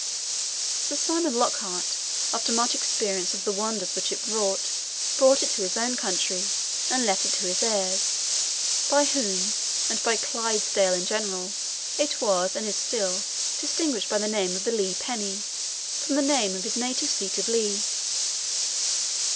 Sir Simon Lockhart, after much experience of the wonders which it wrought, brought it to his own country, and left it to his heirs, by whom, and by Clydesdale in general, it was, and is still, distinguished by the name of the Lee penny, from the name of his native seat of Lee.